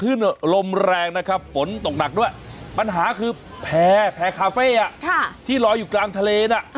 ลมแรงนะครับฝนตกหนักด้วยปัญหาคือแพร่แพร่คาเฟ่ที่ลอยอยู่กลางทะเลน่ะ